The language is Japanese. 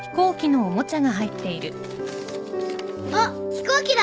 あっ飛行機だ！